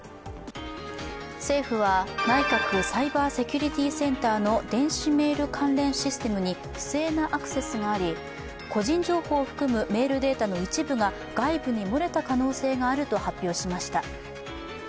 政府は内閣サイバーセキュリティセンターの電子メール関連システムに不正なアクセスがあり個人情報を含むメールデータの一部が外部に漏れた可能性があると発表しました。